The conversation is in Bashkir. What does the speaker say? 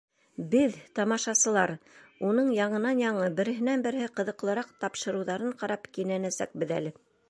Беҙ, тамашасылар, уның яңынан-яңы, береһенән-береһе ҡыҙыҡлыраҡ тапшырыуҙарын ҡарап кинәнәсәкбеҙ әле.